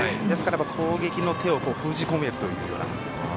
ですから、攻撃の手を封じ込めるというような。